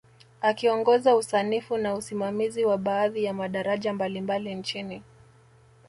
Akiongoza usanifu na usimamizi wa baadhi ya madaraja mbalimbali nchini